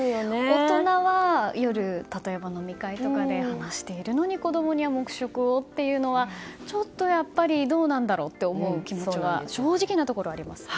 大人は夜例えば飲み会とかで話しているのに子供には黙食をっていうのはちょっとどうなんだろうと思う気持ちは正直なところあります。